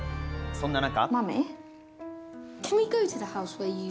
そんな中。